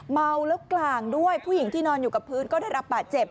เมาแล้วกลางด้วยผู้หญิงที่นอนอยู่กับพื้นก็ได้รับบาดเจ็บ